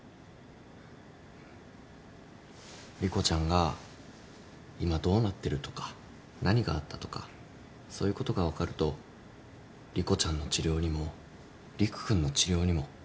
莉子ちゃんが今どうなってるとか何があったとかそういうことが分かると莉子ちゃんの治療にも理玖君の治療にも役に立つ。